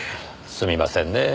すみませんねえ